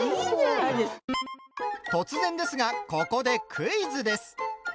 突然ですがここでクイズです！